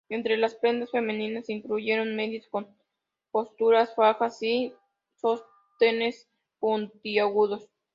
Entre las prendas femeninas se incluyeron medias con costura, fajas y sostenes puntiagudos.